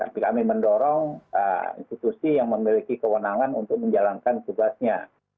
tapi kami mendorong institusi yang memiliki kewenangan untuk menjalankan tugasnya